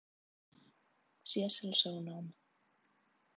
Si és el seu nom.